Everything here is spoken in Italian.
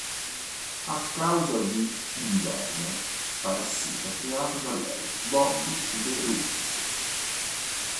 A causa di un verme parassita creato da lei, Bobby uccide Rufus.